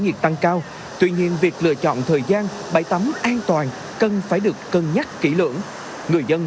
nghiệp tăng cao tuy nhiên việc lựa chọn thời gian bãi tắm an toàn cần phải được cân nhắc kỹ lưỡng người dân